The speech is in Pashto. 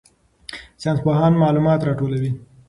ساینسپوهان معلومات راټولوي.